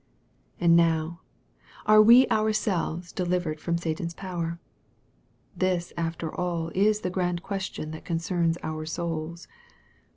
And now, Are we ourselves delivered from Satan's power ? This after all is the grand question that con cerns our souls.